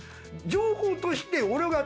情報として俺が。